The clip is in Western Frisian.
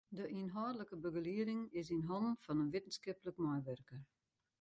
De ynhâldlike begelieding is yn hannen fan in wittenskiplik meiwurker.